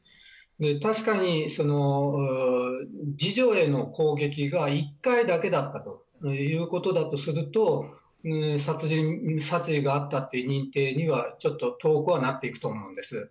確かに次女への攻撃が１回だけだったということだとすると殺意があったという認定には遠くはなっていくと思います。